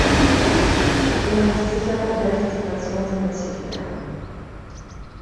Ich bin mir nicht sicher, in welchen Situationen sie nützlich wären.